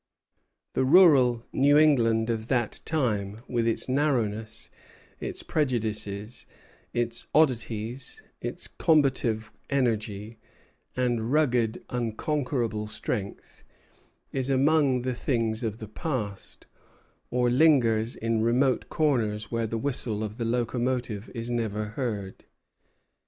The rural New England of that time, with its narrowness, its prejudices, its oddities, its combative energy, and rugged, unconquerable strength, is among the things of the past, or lingers in remote corners where the whistle of the locomotive is never heard.